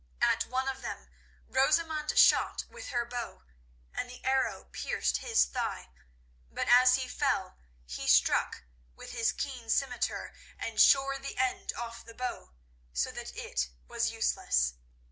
At one of them Rosamund shot with her bow, and the arrow pierced his thigh, but as he fell he struck with his keen scimitar and shore the end off the bow, so that it was useless.